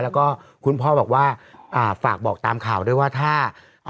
แล้วก็คุณพ่อบอกว่าอ่าฝากบอกตามข่าวด้วยว่าถ้า